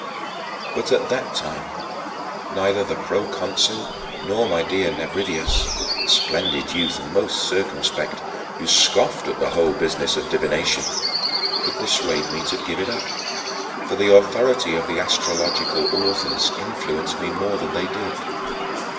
But at that time, neither the proconsul nor my most dear Nebridius a splendid youth and most circumspect, who scoffed at the whole business of divination could persuade me to give it up, for the authority of the astrological authors influenced me more than they did.